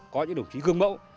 có những đồng chí gương mẫu